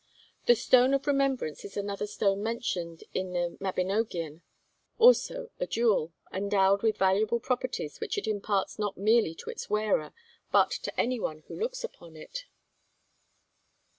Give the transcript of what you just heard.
The Stone of Remembrance is another stone mentioned in the 'Mabinogion,' also a jewel, endowed with valuable properties which it imparts not merely to its wearer, but to any one who looks upon it.